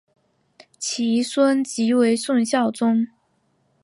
其孙即为宋孝宗。